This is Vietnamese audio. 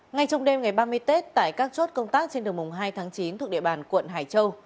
ngay trong đêm ngày ba mươi tết tại các chốt công tác trên đường mùng hai tháng chín thuộc địa bàn quận hải châu